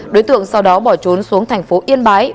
đối tượng sau đó bỏ trốn xuống thành phố yên bái